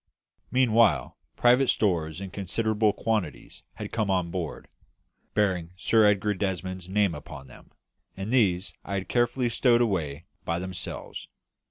Meanwhile, private stores in considerable quantities had come on board, bearing Sir Edgar Desmond's name upon them, and these I had had carefully stowed away by themselves.